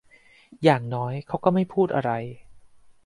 อย่างน้อย เขาก็ไม่พูดอะไร